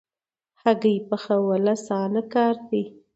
هګۍ پخول اسانه کار دی